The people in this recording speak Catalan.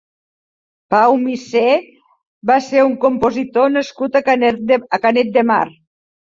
Pau Misser va ser un compositor nascut a Canet de Mar.